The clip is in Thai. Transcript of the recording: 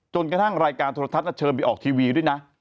กระทั่งรายการโทรทัศน์เชิญไปออกทีวีด้วยนะ